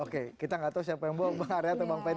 oke kita nggak tahu siapa yang bawa bang arya atau bang fed